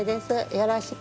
よろしく。